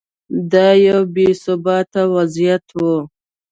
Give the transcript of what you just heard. دا یو بې ثباته وضعیت و.